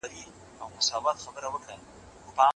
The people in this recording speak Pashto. کرني پوهنځۍ سمدلاسه نه تطبیقیږي.